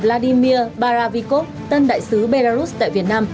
tiếp ngài vladimir baravikov tân đại sứ belarus tại việt nam